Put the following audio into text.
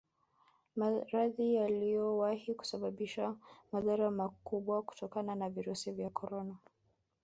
Maradhi yaliyowahi kusababisha madhara makubwa kutokana na virusi vya Corona